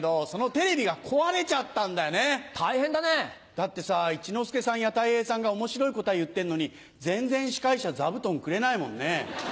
だってさ一之輔さんやたい平さんが面白い答え言ってんのに全然司会者座布団くれないもんね。